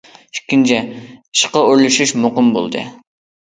ئىككىنچى ئىشقا ئورۇنلىشىش مۇقىم بولدى.